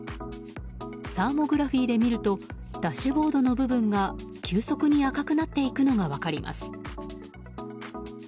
サーモグラフィーで見るとダッシュボードの部分が急速に赤くなっていくのが分かります。